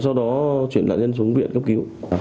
sau đó chuyển nạn nhân xuống viện cấp cứu